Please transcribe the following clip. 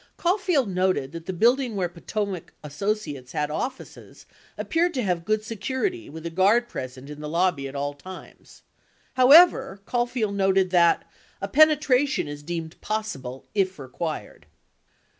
Caulfield noted that the building where Potomac Associates had offices appeared to have good security with a guard present in the lobby at all times. However, Caulfield noted that "a penetration is deemed possible if required."